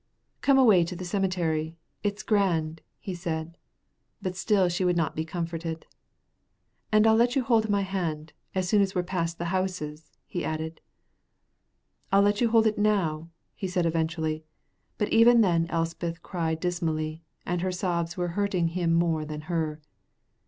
"Come away to the cemetery, it's grand," he said; but still she would not be comforted. "And I'll let you hold my hand as soon as we're past the houses," he added. "I'll let you hold it now," he said, eventually; but even then Elspeth cried dismally, and her sobs were hurting him more than her.